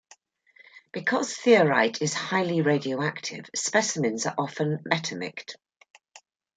Because thorite is highly radioactive, specimens are often "metamict".